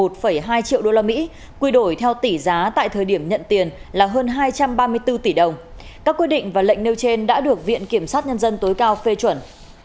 các quyết định và lệnh nêu trên đã được viện kiểm sát nhân dân tối cao phê chuẩn